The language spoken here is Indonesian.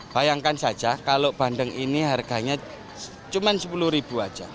bayangkan saja kalau bandeng ini harganya cuma rp sepuluh saja